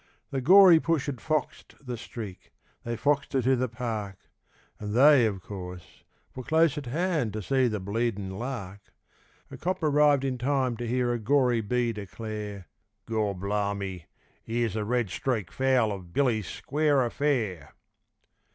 The 'gory' push had foxed the Streak, they foxed her to the park, And they, of course, were close at hand to see the bleedin' lark; A cop arrived in time to hear a 'gory B.' declare Gor blar me! here's the Red Streak foul of Billy's square affair.